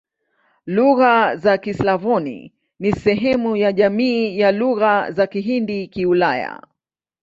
Lugha za Kislavoni ni sehemu ya jamii ya Lugha za Kihindi-Kiulaya.